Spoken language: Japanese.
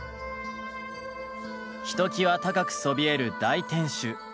ひときわ高くそびえる大天守。